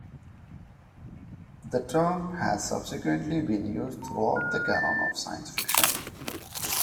The term has subsequently been used throughout the canon of science fiction.